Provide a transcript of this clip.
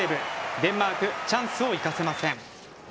デンマークチャンスを生かせません。